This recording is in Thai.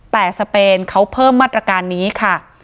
แต่สเปนเขาเพิ่มมาตรการนี้ค่ะ